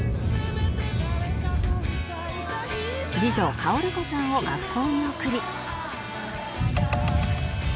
次女薫子さんを学校に送り